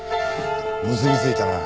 結びついたな。